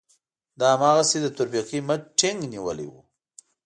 ده هماغسې د تورپيکۍ مټ ټينګ نيولی و.